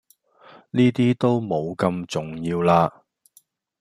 呢啲都無咁重要喇